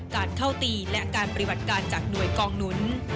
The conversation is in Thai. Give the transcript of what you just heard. การเข้าตีและการปฏิบัติการจากหน่วยกองหนุน